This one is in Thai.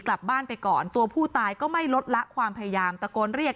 กลับบ้านไปก่อนตัวผู้ตายก็ไม่ลดละความพยายามตะโกนเรียก